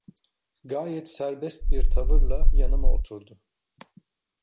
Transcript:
Gayet serbest bir tavırla yanıma oturdu.